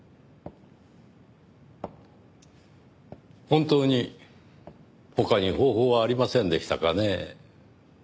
本当に他に方法はありませんでしたかねぇ。